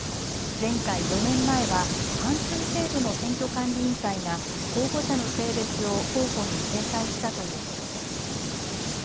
前回４年前は半数程度の選挙管理委員会が候補者の性別を公報に掲載したということです。